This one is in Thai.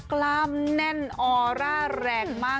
กล้ามแน่นออร่าแรงมาก